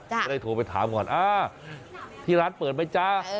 จะได้โทรไปถามก่อนอ่าที่ร้านเปิดไหมจ๊ะ